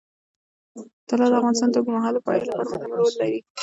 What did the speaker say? طلا د افغانستان د اوږدمهاله پایښت لپاره مهم رول لري.